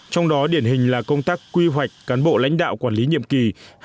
trong đó điển hình là công tác quy hoạch cán bộ lãnh đạo quản lý nhiệm kỳ